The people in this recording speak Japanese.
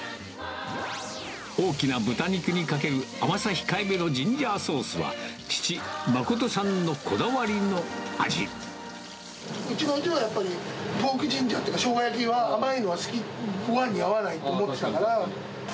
大きな豚肉にかける甘さ控えめのジンジャーソースは、父、うちの味はやっぱり、ポークジンジャーっていうか、しょうが焼きが甘いのが好き、ごはんに合わないと思ってたから。